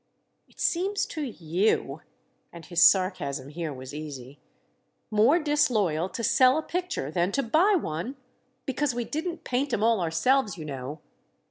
"It seems to you"—and his sarcasm here was easy—"more disloyal to sell a picture than to buy one? Because we didn't paint 'em all ourselves, you know!"